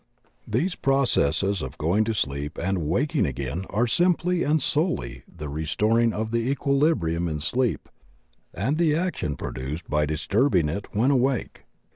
These processes of going to sleep and waking again are simply and solely the re storing of the equilibrium in sleep and the action pro duced by disturbing it when awake.